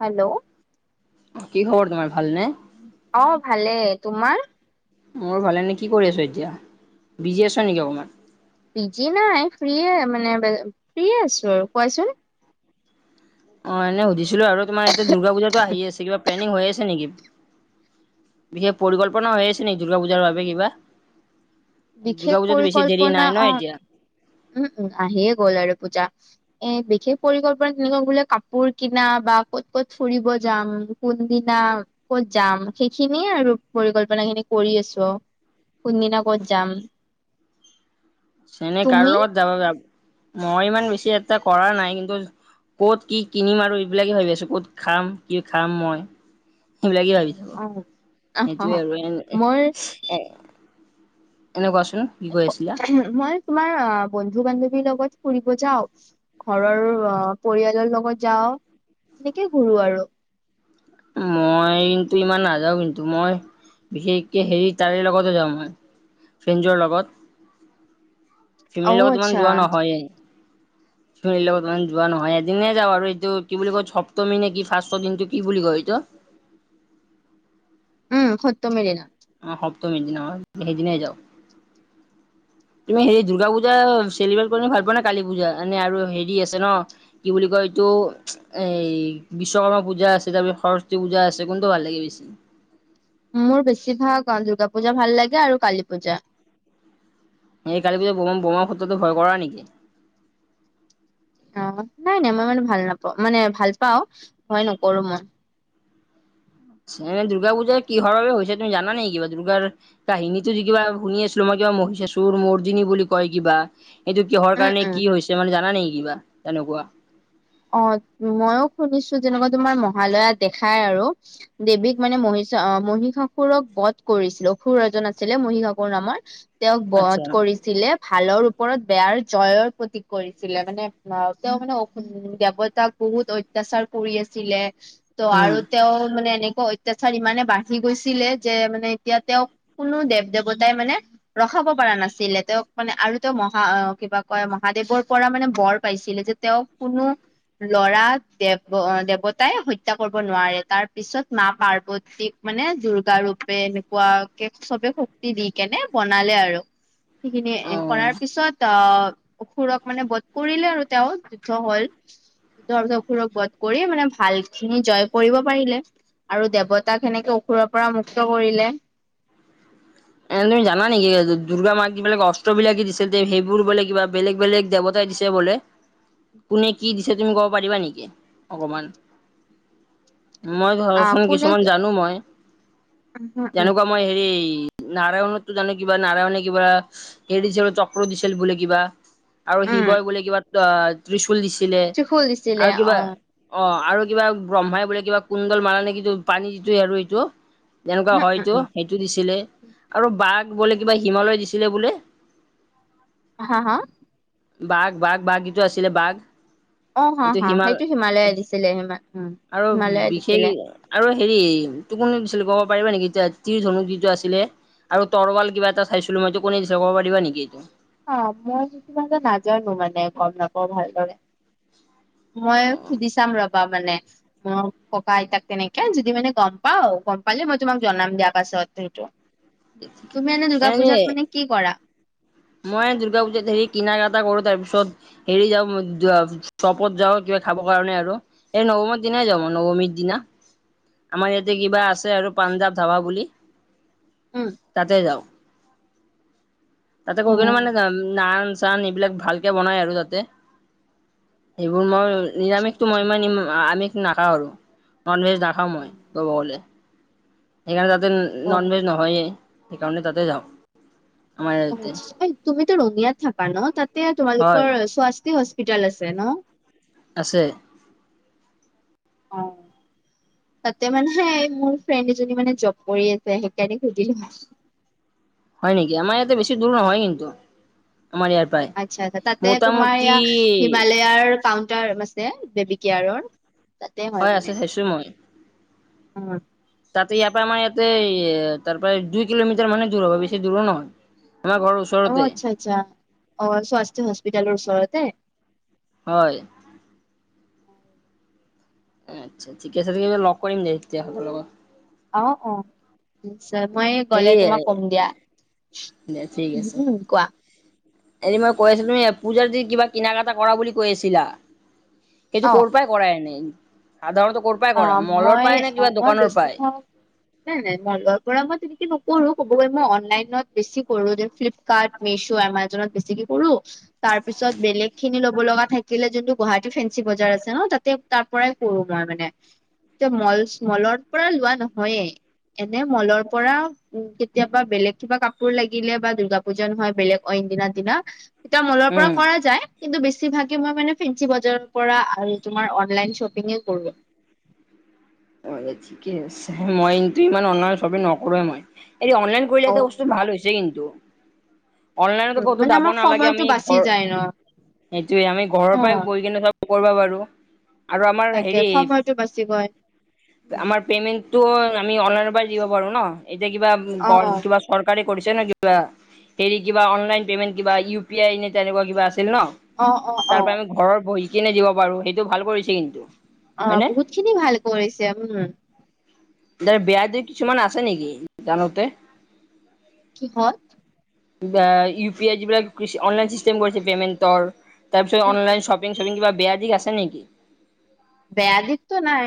Hello কি খবৰ তোমাৰ ভালনে? অ ভালে, তোমাৰ? মোৰ ভালেই কি কৰি আছ এতিয়া, বিজি আছ নেকি অকণমান। বিজি নাই ফ্ৰি মানে ফ্ৰিয়ে আছোঁ আৰু কোৱাচোন। অ এনে সুধিছিলো আৰু তোমাৰ এতিয়া দুৰ্গা পূজাতটো আহি আছে কিবা প্লেনিং হৈ আছে নেকি? বিশেষ পৰিকল্পনা হৈ আছে নি দুৰ্গা পূজাৰ বাবে কিবা। বিশেষ দুৰ্গা পূজাতো বেছি দেৰি নাই নহ এতিয়া। ওহোঁ আহিয়ে গ'ল আৰু আৰু পূজা। এ বিশেষ পৰিকল্পনা তেনেকুৱা বোলে কাপোৰ কিনা বা ক'ত ক'ত ফুৰিব যাম। কোনদিনা ক'ত যাম সেইখিনিয়ে আৰু পৰিকল্পনা খিনি কৰি আছোঁ আও। কোনদিনা ক'ত যাম। এনে কাৰ তুমি লগত যাব মই ইমান বেছি এটা কৰা নাই কিন্তু। ক'ত কি কিনিম আৰু এইবিলাকে ভাবি আছোঁ ক'ত খাম কি খাম মই সেইবিলাকে ভাবিছোঁ। অহ মই এ তুমি কোৱাচোন কি কৰি আছিলা। মই তোমাৰ বন্ধু -বান্ধৱীৰ লগত ফুৰিব যাওঁ। ঘৰৰ অ পৰিয়ালৰ লগত যাওঁ তেনেকে ঘুৰো আৰু। মই কিন্তু ইমান নাযাও কিন্তু মই বিশেষকে হেৰি তাৰে লগতো যাও মই, ফ্ৰেজৰ লগত। অ ফেমিলিৰ লগত ইমান আচ্ছা যোৱা নহয়েই। লগত ইমান যোৱা নহয় এদিনে যাওঁ আৰু এইটো কি বুলি কয় সপ্তমী নে কি ফাৰ্ষ্ট দিনটো কি বুলি কয়। কিয় উম সত্য মেৰেনা। অ সপ্তমী দিনা সেইদিনাই যাওঁ। তুমি হেৰি দুৰ্গা পূজা চেলিব্ৰেট কৰি ভাল পোৱা নে কালী পূজা এনে আৰু হেৰি আছে ন। কি বুলি কয় এইটো এ বিশ্বকৰ্মা পূজা আছে তাৰপিছত সৰস্বতী পূজা আছে কোনটো ভাল লাগে বেছি। মোৰ বেছি ভাগ অ দুৰ্গা পূজা ভাল লাগে আৰু কালী পূজা। এই কালী পূজা বম বোমা শব্দটো ভয় কৰা নেকি? অ নাই নাই মই মানে ভাল নাপাওঁ মানে ভাল পাওঁ হয় নকৰোঁ মই। দুৰ্গা পূজাৰ কিহৰ বাবে হৈছে তুমি জানা নেকি কিবা? দুৰ্গাৰ কাহিনীতো যে কিবা শুনি আছিলো মই কিবা মহিকা চুৰ মৰ্দিনী বুলি কয় কিবা। এইটো কিহৰ উম কাৰণে উম কি হৈছে মানে জানা নে কিবা তেনেকুৱা? অ মইও শুনিছোঁ যেনেকুৱা তোমাৰ মহালয়া দেখাই আৰু দেৱীক মানে মহি মহীষাসুৰক বধ কৰিছিল অসুৰ এজন আছিলে মহীষাসুৰ নামৰ তেওঁক আচ্ছা বধ কৰিছে। ছিলে ভালৰ ওপৰত বেয়াৰ জয়ৰ প্ৰতি কৰিছিলে মানে অ তেওঁ মানে অ দেৱতাক বহুত অত্যাচাৰ কৰি আছিলে ত উম আৰু তেওঁ মানে এনেকুৱা অত্যাচাৰ ইমানে বাঢ়ি গৈছিলে যে মানে এতিয়া তেওঁক কোনো দেৱ দেৱতাই মানে ৰখাব পৰা নাছিলে তেওঁক মানে আৰু তেওঁ মহা কিবা কয় মহাদেৱৰ পৰা মানে বৰ পাইছিলে যে তেওঁক কোনো ল'ৰা দেৱ দেৱতাই হত্যা কৰিব নোৱাৰে। তাৰ পিছত মা পাৰ্বতীক মানে দুৰ্গা ৰূপে এনেকুৱা কে চবে শক্তি দি কেনে বনালে আৰু [unintelligible] সেইখিনি এ অ কৰাৰ পিছত আহ অসুৰক মানে বধ কৰিলে আৰু তেওঁ যুদ্ধ হ'ল। তাৰ পিছত অসুৰক বধ কৰি মানে ভাল খিনি জয় কৰিব পাৰিলে। আৰু দেৱতাক সেনেকে অসুৰৰ পৰা মুক্ত কৰিলে। এনে তুমি জান নেকি দুৰ্গা মাক যিবিলাক অস্ত্ৰবিলাক যে দিছিল তে সেইবোৰ বোলে কিবা বেলেগ বেলেগ দেৱত দিছে বোলে কোনে কি দিছে তুমি ক'ব পাৰিবা নেকি? অকমান মই আহ ধৰাচোন কোনে কিছুমান জানো মই উম উম তেনেকুৱা মই হেৰি নাৰায়ণতো জানো কিবা নাৰায়ণে কিবা হেৰি দিছিলে চক্ৰ দিছিল বোলে কিবা। আৰু উম শিৱই বোলে কিবা ত্ৰিশুল দিছিলে ত্ৰিশূল দিছিলে আৰু কিবা অ অ আৰু কিবা ব্ৰহ্মাই বোলে কিবা কুণ্ডল মাৰা নে কি পানী যিটোৱে আৰু এইটো তেনেকুৱা উম উম হয়তো উম সেইটো দিছিলে আৰু বাঘ বোলে কিবা হিমালয় দিছিলে বোলে। হা হা বাঘ বাঘ বাঘ যিটো আছিলে বাঘ অ হা এইটো হা হিমাল সেইটো হিমালয়ে দিছিলে হিমা উম আৰু হিমালয়ে বিশেষ দিছিলে আৰু হেৰি তো কোনে দিছিল ক'ব পাৰিবা নেকি এতিয়া ত্ৰিধনু যিটো আছিলে? আৰু তৰোৱাল কিবা এটা চাইছিলো মইতো কোনে দিছে ক'ব পাৰিবা নেকি এইটো? অ মই মানে নাজানো মানে গম নাপাওঁ ভালদৰে। মই সুধি চাম ৰবা মানে। মোৰ ককা আইতাক তেনেকে যদি মানে গম পাওঁ গম পালে মই তোমাক জনাম দিয়াৰ পাছত সেইটো। তুমি এনে দুৰ্গা পুজাত মানে কি কৰা? মই দুৰ্গা পূজাত হেৰি কিনা কাটা কৰো। তাৰ পিছত হেৰি যাওঁ মই দিয়া চপত যাওঁ কিবা খাবৰ কাৰণে আৰু। এই নৱমৰ দিনাই যাওঁ নৱমীৰ দিনা। আমাৰ ইয়াতে কিবা আছে আৰু পাঞ্জাৱ ধাবা বুলি উম তাতে যাওঁ। তাতে গৈ কেনে মানে [unintelligible] চান এইবিলাক ভালকে বনাই আৰু তাতে, সেইবোৰ মই আচ্ছা নিৰামিষটো আচ্ছা মই মান নিম আমিষ নাখাওঁ আৰু, নন ভেজ নাখাওঁ মই ক'ব গ'লে। সেইকাৰণে তাতে অ নন ভেজ নহয়েই, সেইকাৰণে তাতে যাওঁ। আমাৰ অ', ইয়াতে তুমিতো ৰঙিয়াত থাকা ন, তাতে হয় তোমালোকৰ স্ৱাস্তি হস্পিতেল আছে ন। আছে। অ'। তাতে মানে সেই মোৰ ফ্ৰেণ্ড এজনী মানে জব কৰি আছে সেইকাৰণে সুধিলো। হয় নেকি, আমাৰ ইয়াতে বেছি দূৰ নহয় কিন্তু আমাৰ ইয়াত। আচ্ছা, আচ্ছা তাতে তোমাৰ এয়া, হিমালেয়াৰ কাউণ্টাৰ মাছ তে বেবিকেয়াৰৰ তাতে হয় মানে, আছে চাইছো মই। অ'। তাতে ইয়াৰ পৰা আমাৰ ইয়াতে, তাৰপৰা দুই কিলোমিটাৰ মানে দূৰ হৱ বেছি দূৰো নহয়। আমা ঘৰৰ ওচ অ', আচ্ছা, আচ্ছা অ', স্বাস্থি হস্পিটালৰ ওচৰতে। হয়। আচ্ছা, আচ্ছা ঠিকে আছে, তেতিয়া লগ কৰিম দে তেতিয়া লগত অ', অ', নিশ্চয় মই গ'লে হেৰি তোমাক কম দিয়া। দে ঠিক আছে। উম কোৱা এৰি মই কৈ আছিলো তুমি পূজাৰ যি কিবা কিনা-কাটা কৰা বুলি কৈ আছিলা, সেইটো অ ক'ৰ পৰাই কৰায়ে নাই ন সাধাৰণতে ক'ৰ পৰাই অ কৰা, মলৰ মই পায় নে কিবা মই দোকানৰ পৰায়। বেছিভাগ নাই, নাই মই লোৱাৰ পৰা মই তেনেকে নকৰো, ক'ব গলে মই অনলাইনত বেছি কৰো যে ফ্লিপ কাৰ্ট, মিছো, এমাজনত বেছিকে কৰো। তাৰপিছত বেলেগ খিনি লব লগা থাকিলে, যোনটো গুৱাহাটী ফেঞ্চি বজাৰ আছে ন তাতে। তাৰপৰাই কৰো মই মানে, তে মল, মলৰ পৰা নহয়েই। এনে মলৰ পৰা উম, কেতিয়াবা বেলেগ কিবা কাপোৰ লাগিলে বা দূৰ্গা পূজা নহয়, বেলেগ অইন দিনা দিনা কেতিয়াবা মলৰ পৰা উম কৰা যায়। কিন্তু বেছি ভাগে, মই মানে ফেঞ্চি বজাৰৰ পৰা আৰু তুমাৰ অনলাইন শ্বপিং কৰো। ঠিকে আছে, মই কিন্তু ইমান অনলাইন শ্বপিং নকৰোৱে মই, এনে অনলাইন অ কৰিলে এ বস্তু ভাল হৈছে কিন্তু। অনলাইনতো উম ক'তো মানে যাব আমাৰ নালাগে, সময়টো আমি বাচি ঘৰ যায় ন সেইটোয়ে আমি ঘৰৰ অ পৰাই বহি কিনে চব কৰিবা পাৰো। আৰু আমাৰ তাকে হেৰি সময়টো বাছি বৈ আমাৰ পেমেন্টটো আমি অনলাইনৰ পৰা দিব পাৰো, ন এতিয়া কিবা অ গণ কিবা চৰকাৰে কৰিছে ন কিবা, হেৰি কিবা অনলাইন পে'মেণ্ট কিবা ইউ পি আই নে তেনেকুৱা কিবা আছিল ন? অ অ অ তাৰপৰা আমি ঘৰত বহি কিনে দিব পাৰো, সেইটো ভাল কৰিছে কিন্তু। অ', হয়নে বহুত খিনি ভাল কৰিছে উম। এ বেয়া দিশ কিছুমান আছে নেকি, জানোতে কিহত? ইউ পি আই যিবিলাক অনলাইন চিষ্টেম কৰিছে পেমেণ্টৰ। তাৰপিছত উম অনলাইন শ্বপিং-টপিং কিবা বেয়া দিশ আছে নেকি? বেয়া দিশটো নাই,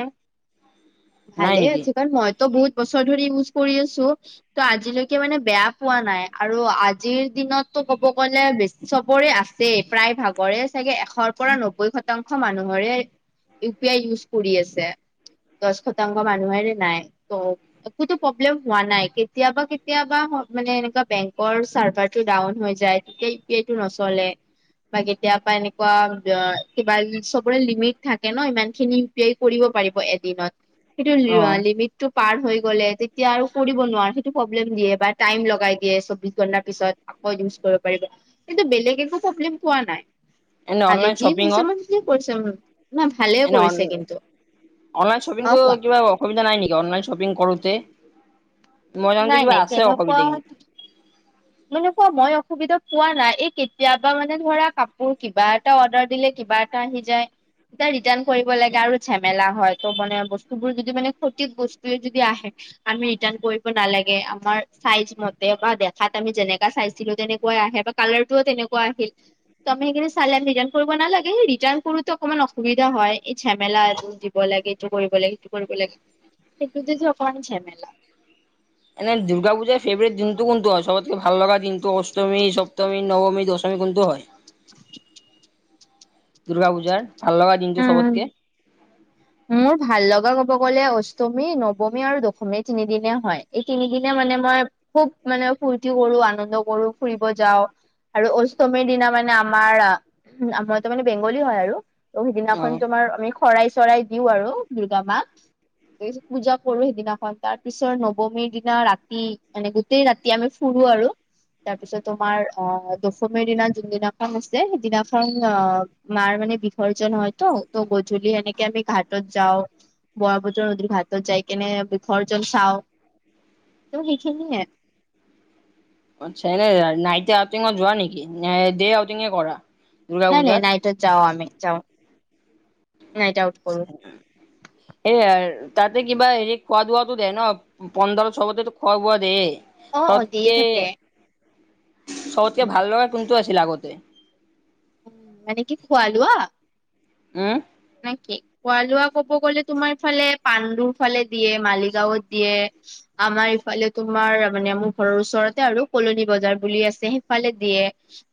নাই ভালে নেকি আছে, কাৰণ মই তো বহুত বছৰ ধৰি ইউজ কৰি আছো। ত' আজিলৈকে মানে বেয়া পোৱা নাই, আৰু আজিৰ দিনতটো ক'ব গলে বেছ চবৰে আছে, প্ৰায় ভাগৰে চাগে এশৰ পৰা নব্বৈ শতাংশ মানুহৰে। ইউ পি আই ইউজ কৰি আছে দহ শতাংশ মানুহেৰে নাই ত একোটো প্ৰব্লেম হোৱা নাই কেতিয়াবা কেতিয়াবা মানে এনেকোৱা বেংকৰ চাৰ্ভাৰ। টো ডাউন হৈ যায় সেই এইটো নচলে বা কেতিয়াবা এনেকুৱা কিবা চবৰে লিমিট থাক ইমান খিনি পে কৰিব পাৰিব এদিনত কিন্তু অ লিমিট টো পাৰ হৈ গ'লে তেতিয়া আৰু কৰিব নোৱাৰে সেইটো প্ৰব্লেম দিয়ে বা টাইম লগাই দিয়ে চৌবিশ ঘন্টাৰ পিছত। পাৰিব কিন্তু বেলেগ একো প্ৰব্লেম পোৱা নাই এনে ভালে অনলাইন যি হৈছে শ্বপিঙত ম কৰিছে ন ভালে এনে কৰিছে কিন্তু অনলাইন অ শপিংটো কোৱা কিবা অসুবিধা নাই নেকি অনলাইন শ্বপিং কৰোতে? মই যাওঁতে নাই কিবা নাই আছে অসুবিধা তেনেকুৱা কিন্তু! মানে কোৱা মই অসুবিধা পোৱা নাই এই কেতিয়াবা মানে ধৰা কাপোৰ কিবা কিবা এটা অৰ্ডাৰ দিলে কিবা এটা আহি যায়। ৰিটাৰ্ণ কৰিব লাগে আৰু ঝেমেলা হয় ত মানে বস্তুবোৰ যদি মানে ক্ষতি বস্তুয়ে যদি আহে আমি ৰিটাৰ্ণ কৰিব নালাগে আমাৰ চাইজ মতে বা দেখাত আমি যেনেকা চাইজ দিলোঁ তেনেকুৱাই আহে বা কালাৰটোও তেনেকুৱা আহিল ত আমি সেইখিনি চালে ৰিটাৰ্ণ কৰিব নালাগে সেই ৰিটাৰ্ণ কৰোতে অকণমান অসুবিধা হয় এই ঝেমেলা আৰু ব লাগে ইটো কৰিব লাগে ইটো কৰিব লাগে সেইটো তেটো অকমান ঝেমেলা। এনে দুৰ্গা পূজাৰ ফেভৰেট দিনটো কোনটো হয়? চবতকে ভাল লগা দিনটো অষ্টমী সপ্তমী নৱমী দশমী কোনটো হয়? [inaudible] দুৰ্গা পূজাৰ ভাল লগা দিনটো উম চবতকে মোৰ ভাল লগা ক'ব গ'লে অষ্টমী নৱমী আৰু দশমী তিনিদিনে হয় এই তিনিদিনে মানে মই খুব মানে ফূৰ্তি কৰো আনন্দ কৰো ফুৰিব যাও। আৰু অষ্টমীৰ দিনা মানে আমাৰ আমাৰ তাৰ মানে বেংগলী হয় আৰু ত অ সিদিনাখন তোমাৰ আমি শৰাই চৰাই দিও আৰু দুৰ্গা মাক পূজা কৰো সিদিনাখন তাৰ পিছত নৱমীৰ দিনা ৰাতি এনেকে গোটেই ৰাতি আমি ফুৰো আৰু। তাৰপিছত তোমাৰ আ দশমীৰ দিনা যোনদিনাখন আছে সেইদিনাখন আ মাৰ মানে সৰ্জন হয় ত ত গধূলি এনেকে আমি ঘাটত যাওঁ। বৰ বজৰ নদীৰ ঘাটত যাই কেনে বিসৰ্জন চাও ত সেইখিনিয়ে। আচ্ছা এনে নাইট আউটিঙত যোৱা নেকি নে দে আউটিং কৰা? দুৰ্গা নাই নাই পূজাত নাইটত যাওঁ আমি যাওঁ নাইট আউট কৰো। এয়া তাতে কিবা হেৰি খোৱা দুৱাতো দে ন পোন্ধৰ চবতেটো খোৱা বোৱা দেয়ে। অ অ দিয়ে থাকে। চবতকে উম ভাল লগা কোনটো আছিল আগতে? মানে কি খোৱা লোৱা উম নে কি খোৱা লোৱা ক'ব গ'লে তোমাৰ ফালে পাণ্ডুৰ ফালে দিয়ে মালিগাঁওত দিয়ে। আমাৰ ইফালে তোমাৰ মানে মোৰ ঘৰৰ ওচৰতে আৰু কলনি বজাৰ বুলি আছে সেইফালে দিয়ে।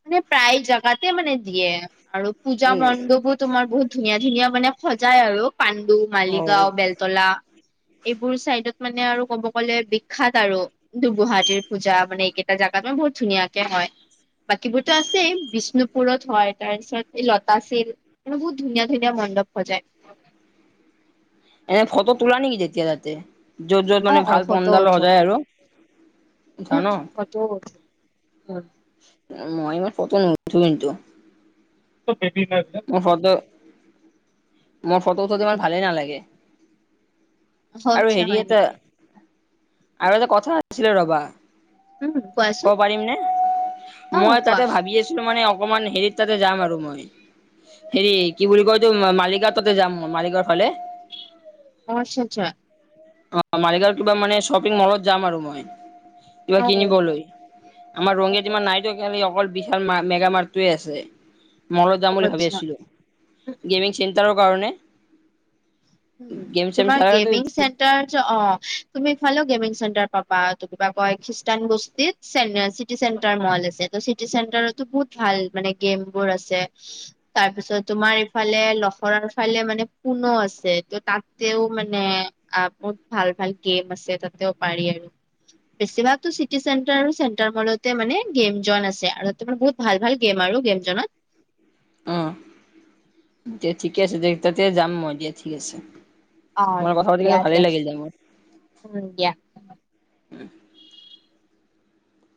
মানে প্ৰায় জাগাতে মানে দিয়ে আৰু পুজা উম মণ্ডপো তোমাৰ বহুত ধুনীয়া ধুনীয়া মানে সজাই আৰু পাণ্ডু, অ মালিগাঁও, বেল তলা এইবোৰ চাইডত মানে আৰু ক'ব গলে বিখ্যাত আৰু। গুৱাহাটীৰ পূজা মানে এইকেইটা জাগাত বহুত ধুনীয়াকে হয়। বাকীবোৰটো আছে বিষ্ণুপুৰত হয় তাৰপিছত এই লতাশিল বহুত ধুনীয়া ধুনীয়া মণ্ডপ সজায়। এনে ফটো তোলা নেকি যেতিয়া তাতে। য'ত য'ত অ মানে অ ভাল ফটো পনডল উঠো সযায় আৰু উম যান [unintelligible] মই ইমান ফটো নুঠো কিন্তু। বেবি [unintelligible] সদায় মোৰ ফটোটো ইমান ভালেই নালাগে আৰু আচ্ছা হেৰি হয় এটা নেকি আৰু এটা কথা আচ্ছিলে ৰবা। উম খোৱাইছ ক'ব পাৰিম নে মই তাতে ভাবি আছিলোঁ মানে অকমান হেৰিত তাতে যাম আৰু মই। হেৰি কি বুলি কয় তো মালিগাঁৱ তাতে যাম মালিগাঁৱৰ ফালে। অ আচ্ছা আচ্ছা। অ মালিগাঁৱৰ কিবা মানে শ্বপিং মলত যাম আৰু মই। কিবা অ কিনিবলৈ আমাৰ অ ৰঙিয়াত ইমান নাইটো খালি অকল বিশাল মাৰ্গ মেগা মাৰ্গটোৱে আছে। ময়ো যাম অ বুলি ভাবি আচ্ছা আছিলোঁ গেমিং চেণ্টাৰৰ কাৰণে। উম গেম চেম তোমাৰ খেলা গেমিং চেণ তাৰপিছত অ তুমিফালেও গেমিং চেণ্টাৰ পাবা কিবা কয় খ্ৰীষ্টান বস্তীত। চেণ্টাৰ চিটি চেণ্টাৰ মল আছে চিটি চেণ্টাৰটো বহুত ভাল মানে গেমবোৰ আছে। তাৰ পিছত তোমাৰ ইফালে লখৰাৰ ফালে মানে পুনো আছে। তাতেও মানে অ বহুত ভাল ভাল গেম আছে তাতেও পাৰি আৰু। বেছিভাগটো চিটি চেণ্টাৰ আৰু চেণ্টাৰ মলতে মানে গেম জন আছে আৰু ততে বহুত ভাল ভাল গেম আৰু গেম জনত। উম। দে ঠিকে আছে দে তাতে যাম মই দিয়া ঠিক আছে। অ তোমাৰ লগত কথা পাতি দিয়া কেনে তে ভালেই লাগিল দে মোৰ। উম দিয়া।